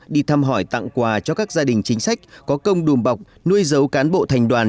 đi thăm hỏi tặng quà cho các gia đình chính sách có công đùm bọc nuôi dấu cán bộ thành đoàn